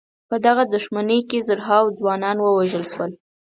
په دغه دښمنۍ کې زرهاوو ځوانان ووژل شول.